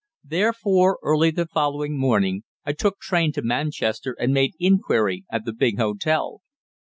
Therefore, early the following morning, I took train to Manchester, and made inquiry at the big hotel.